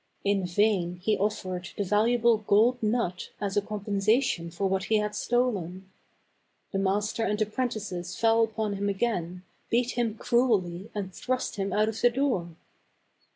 In vain he offered the valuable gold nut as a compensation for what he had stolen. The master and apprentices fell upon him again, beat him cruelly and thrust him out of the door.